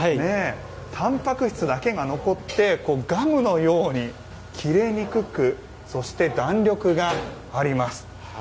たんぱく質だけが残ってガムのように切れにくくそして、弾力があります。